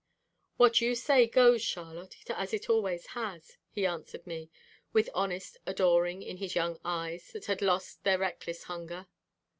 "What you say goes, Charlotte, as it always has," he answered me, with honest adoring in his young eyes that had lost their reckless hunger.